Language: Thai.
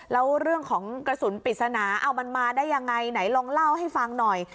แล้วเรื่องของกระสุนปริศนาเอามันมาได้ยังไงไหนลองเล่าให้ฟังหน่อย